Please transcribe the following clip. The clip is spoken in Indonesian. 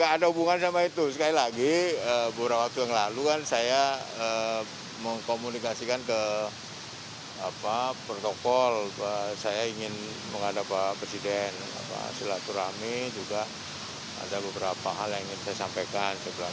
ada beberapa hal yang ingin saya sampaikan